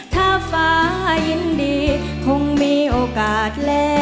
ถ้าฟ้ายินดีคงมีโอกาสแล้ว